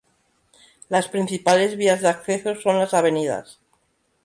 Las principales vías de acceso son las Av.